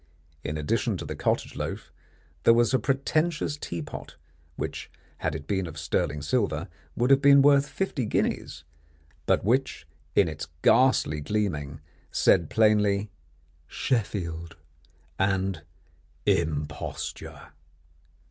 In addition to the cottage loaf there was a pretentious tea pot, which, had it been of sterling silver, would have been worth fifty guineas, but which in its ghastly gleaming, said plainly, "Sheffield" and "imposture."